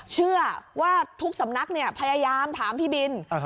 เชื่อว่าทุกสำนักพยายามถามพี่บิน